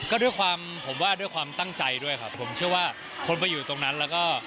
ก็ด้วยความผมว่าด้วยความตั้งใจด้วยครับผมเชื่อว่าคนไปอยู่ตรงนั้นแล้วก็